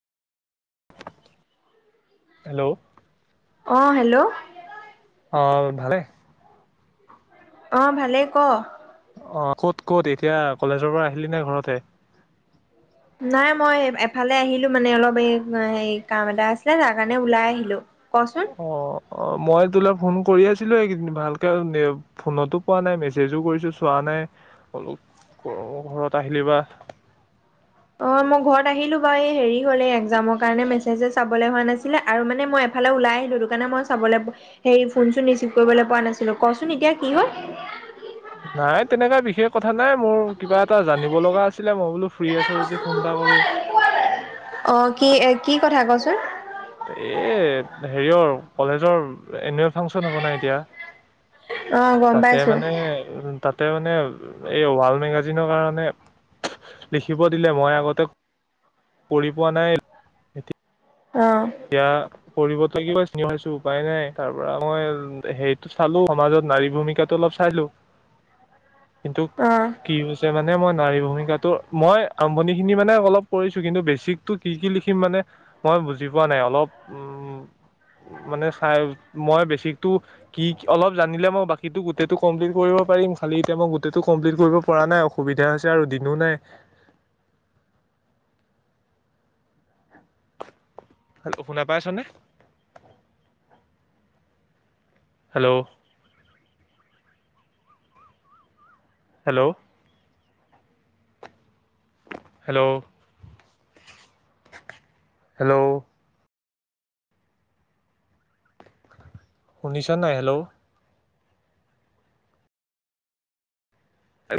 Hello অ' hello অ' ভালে। অ' ভালেই ক। অ' ক'ত- ক'ত এতিয়া কলেজৰ পৰা আহিলি নে ঘৰতে। নাই মই এফালে আহিলো মানে অলপ এই হেৰি কাম এটা আছিলে, তাৰ কাৰণে ওলাই আহিলো। অ' - অ', মই তোলে ফোন কৰি আছিলো এইকেইদিন ভালকে ফোনতো পোৱা নাই মেছেজো কৰিছো চোৱা নাই, [unintelligible] ঘৰত আহিলি বা। অঁ মই ঘৰত আহিলোঁ বাৰু এই হেৰি হ'ল এই এক্সজামৰ কাৰণে মেছেজে চাবলৈ হোৱা নাছিলে আৰু মানে মই এফালে ওলাই আহিলোঁ সেইটো কাৰণে মই চাবলৈ হেৰি ফোনচোন ৰিচিভ কৰিবলৈ পোৱা নাছিলোঁ, কচোন এতিয়া কি হ'ল। নাই তেনেকা বিশেষ কথা নাই মোৰ কিবা এটা জানিব লগা আছিলে, মই বোলো ফ্ৰী আছ যদি ফোন এটা কৰো। অঁ কি কি কথা কচোন। এ হেৰিয়ৰ কলেজৰ এনুৱেল ফাংচন হ'ব নাই এতিয়া অঁ গম তাতে পাইছোঁ মানে উ তাতে মানে এই ৱাল মেগাজিনৰ কাৰণে লিখিব দিলে, মই আগতে কৰি পোৱা নাই, এতিয়া অঁ কিয়? কৰিব চিনি পাইছো উপায় নাই তাৰ পৰা মই হেৰিতটো চালো সমাজত নাৰী ভূমিকাটো অলপ চালো । কিন্তু অঁ কি হৈছে মানে মই নাৰী ভূমিকাটো মই আৰম্ভণি খিনি মানে অলপ কৰিছো কিন্তু বেছিকটো কি কি লিখিম মানে মই বুজি বুজি পোৱা নাই অলপ উ, মানে চাই মই বেছিকটো কি অলপ জানিলে মই বাকীতো গোটেটো কমপ্লিট কৰিব পাৰিম খালি এতিয়া মই গোটেটো কমপ্লিট কৰিব পৰা নাই অসুবিধা হৈছে আৰু দিনো নাই। হেল্ল' শুনা পাই আছনে? হেল্ল'। হেল্ল'। Hello [inaudible] hello. শুনিছ নাই হেল্ল'?